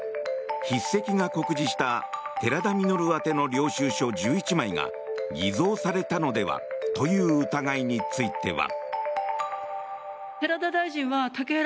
筆跡が酷似した寺田稔宛ての領収書１１枚が偽造されたのでは？という疑いについては。